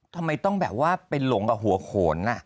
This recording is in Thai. ทำไมต้องแบบว่าไปหลงกับหัวโขน